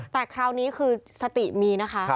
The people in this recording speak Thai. แต่คราวนี้คือสติมีนะคะ